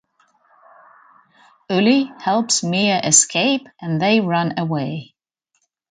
Uly helps Mia escape and they run away.